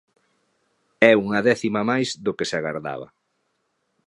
É unha décima máis do que se agardaba.